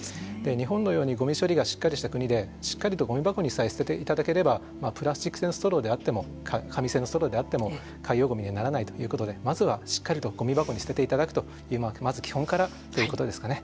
日本のようにゴミ処理がしっかりした国でしっかりとゴミ箱にさえ捨てていただければまあプラスチック製のストローであっても紙製のストローであっても海洋ゴミにならないということでまずはしっかりとゴミ箱に捨てていただくというまず基本からということですかね。